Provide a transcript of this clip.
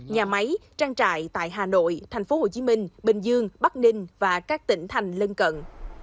nhà máy trang trại tại hà nội tp hcm bình dương bắc ninh và các tỉnh thành lân cận